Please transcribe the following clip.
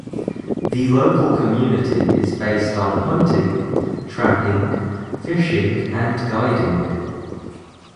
The local community is based on hunting, trapping, fishing and guiding.